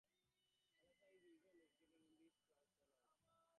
Alsace is a region situated in the East of France along the Rhine river.